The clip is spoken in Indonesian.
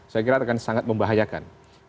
saya kira akan sangat membahayakan